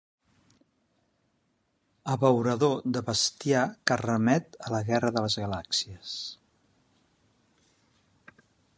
Abeurador de bestiar que remet a La guerra de les galàxies.